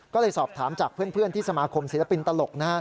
ก็เลยสอบถามจากเพื่อนที่สมาคมศิลปินตลก